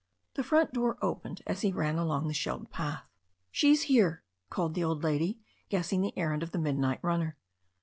The front door opened as he ran along the shelled path. "She's here," called the old lady, guessing the errand of the midnight runner.